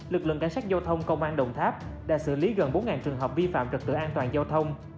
lực lượng cảnh sát giao thông công an đồng tháp đã xử lý gần bốn trường hợp vi phạm trật tự an toàn giao thông